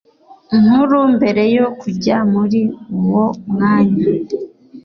Nkuru mbere yo kujya muri uwo mwanya